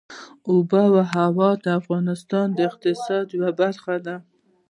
آب وهوا د افغانستان د اقتصاد یوه برخه ده.